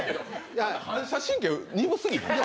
反射神経鈍すぎん？